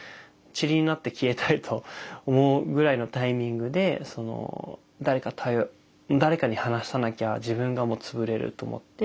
塵になって消えたいと思うぐらいのタイミングで誰かに話さなきゃ自分がもう潰れると思って。